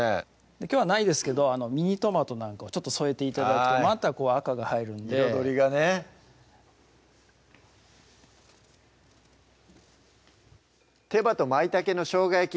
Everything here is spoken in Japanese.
きょうはないですけどミニトマトなんかをちょっと添えて頂くとまたこう赤が入るんで彩りがね「手羽と舞茸のしょうが焼き」